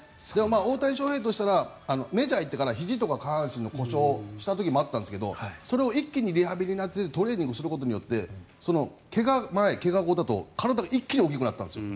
大谷翔平としたらメジャーに行ってからひじとか下半身の故障をした時もあったんですがそれを一気にリハビリでトレーニングすることによって怪我前、怪我後だと体が一気に大きくなったんですよ。